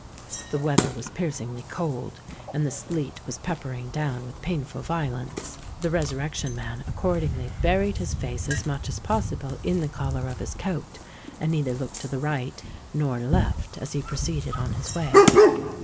The weather was piercingly cold, and the sleet was peppering down with painful violence: the Resurrection Man accordingly buried his face as much as possible in the collar of his coat, and neither looked to the right nor left as he proceeded on his way.